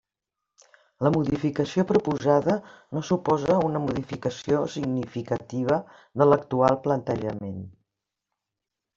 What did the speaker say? La modificació proposada no suposa una modificació significativa de l'actual planejament.